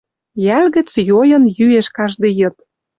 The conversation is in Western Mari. Йӓл гӹц йойын йӱэш каждый йыд.